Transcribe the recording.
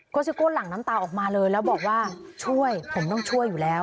ซิโก้หลั่งน้ำตาออกมาเลยแล้วบอกว่าช่วยผมต้องช่วยอยู่แล้ว